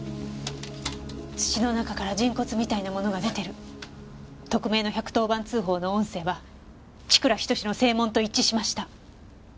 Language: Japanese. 「土の中から人骨みたいなものが出てる」匿名の１１０番通報の音声は千倉仁の声紋と一致しました。